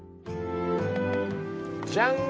ジャンッ！